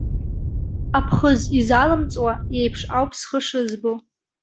Аԥхыӡ изалымҵуа иеиԥш ауп схы шызбо.